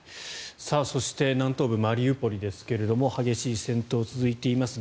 そして南東部マリウポリですが激しい戦闘が続いています。